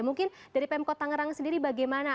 mungkin dari pemkot tangerang sendiri bagaimana